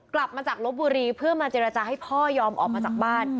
กลับมาจากลบบุรีเพื่อมาเจรจาให้พ่อยอมออกมาจากบ้าน